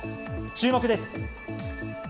注目です。